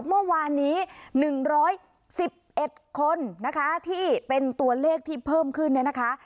เมื่อวานนี้๑๑๑คนนะคะที่เป็นตัวเลขที่เพิ่มขึ้นเนี่ยนะคะ